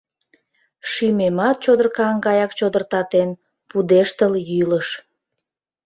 Шӱмемат чодыркан гаяк чодыртатен, пудештыл йӱлыш.